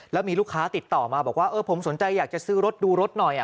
แล้วมีลูกค้าติดต่อมาบอกว่าผมสนใจอยากจะซื้อรถดูรถหน่อย